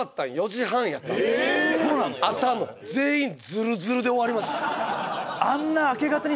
そうなんやえっ朝の全員ズルズルで終わりました